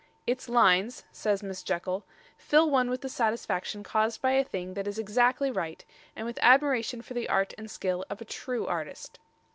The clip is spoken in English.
"Its lines," says Miss Jekyll, "fill one with the satisfaction caused by a thing that is exactly right, and with admiration for the art and skill of a true artist."